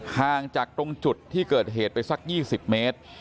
ห่างจากตรงจุดที่เกิดเหตุไปสัก๒๐เมตร